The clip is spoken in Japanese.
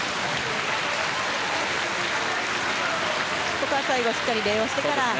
ここは最後しっかり礼をしてから。